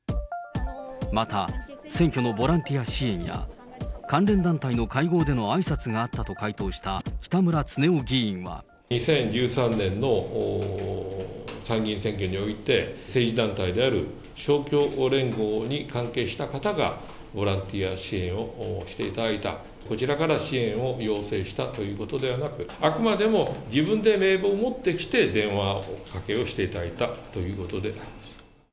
また、選挙のボランティア支援や関連団体の会合でのあいさつがあったと２０１３年の参議院選挙において、政治団体である勝共連合に関係した方がボランティア支援をしていただいた、こちらから支援を要請したということではなく、あくまでも自分で名簿を持ってきて電話かけをしていただいたということであります。